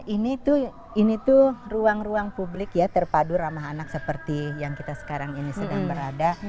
ini tuh ruang ruang publik ya terpadu ramah anak seperti yang kita sekarang ini sedang berada